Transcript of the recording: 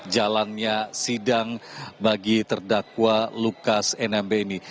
jalannya sidang bagi terdakwa lukas nmb ini